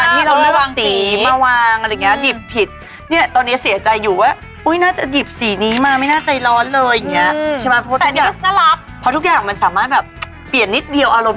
หลั่งอะไรอย่างเงี้ยเพียงผิดเนี้ยตอนนี้เสียใจอยู่ว่าหมูจะยึดสีนี้มาไม่หน้าใจร้อนเลยเนี้ยใช่มั้งเนี้ยก็สามารถพอทุกอย่างมันสามารถแบบ